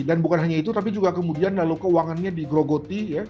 dan bukan hanya itu tapi juga kemudian lalu keuangannya digrogoti